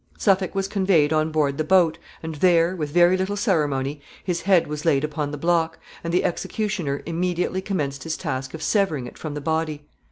Suffolk was conveyed on board the boat, and there, with very little ceremony, his head was laid upon the block, and the executioner immediately commenced his task of severing it from the body.